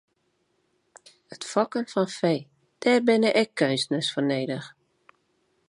It fokken fan fee, dêr binne ek keunstners foar nedich.